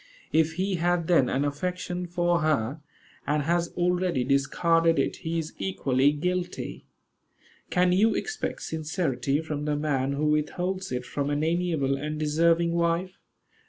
If he had then an affection for her, and has already discarded it, he is equally guilty. Can you expect sincerity from the man who withholds it from an amiable and deserving wife?